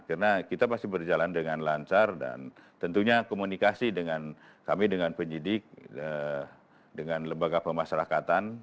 karena kita masih berjalan dengan lancar dan tentunya komunikasi dengan kami dengan penyidik dengan lembaga pemasarakatan